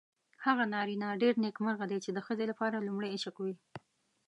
هغه نارینه ډېر نېکمرغه دی چې د ښځې لپاره لومړی عشق وي.